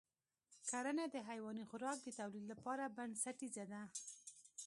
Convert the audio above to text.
کرنه د حیواني خوراک د تولید لپاره بنسټیزه ده.